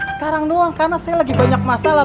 sekarang doang karena saya lagi banyak masalah